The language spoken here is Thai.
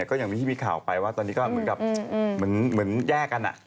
ก็ยังไม่ที่มีข่าวไปว่าตอนนี้ก็เหมือนแย่กัน